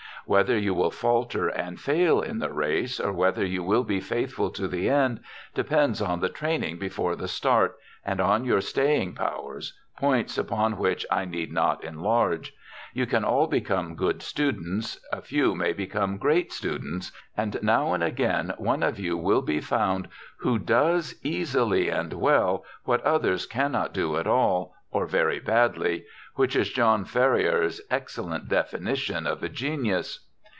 Whether you will falter and fail in the race or whether you will be faithful to the end depends on the training before the start, and on your staying powers, points upon which I need not enlarge. You can all become good students, a few may become great students, and now and again one of you will be found who does easily and well what others cannot do at all, or very badly, which is John Ferriar's excellent definition of a genius.